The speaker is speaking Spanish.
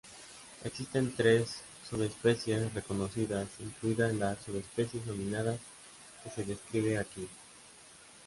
Existen tres subespecies reconocidas, incluidas las subespecies nominadas que se describen aquí.